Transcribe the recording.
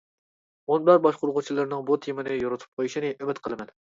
مۇنبەر باشقۇرغۇچىلىرىنىڭ بۇ تېمىنى يورۇتۇپ قويۇشىنى ئۈمىد قىلىمەن!